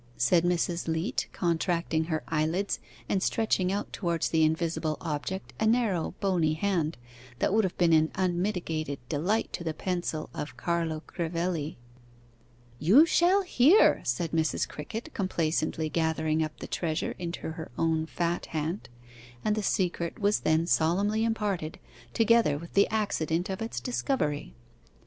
said Mrs. Leat, contracting her eyelids, and stretching out towards the invisible object a narrow bony hand that would have been an unmitigated delight to the pencil of Carlo Crivelli. 'You shall hear,' said Mrs. Crickett, complacently gathering up the treasure into her own fat hand; and the secret was then solemnly imparted, together with the accident of its discovery.